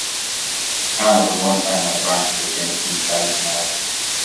The town was at one time on a branch of the Genesee Valley Canal.